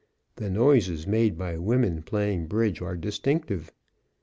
The noises made by women playing bridge are distinctive.